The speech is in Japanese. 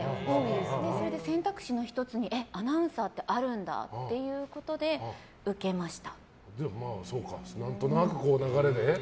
それで選択肢の１つにアナウンサーってあるんだということで受けました。